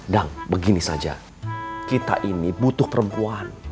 begini saja kita ini butuh perempuan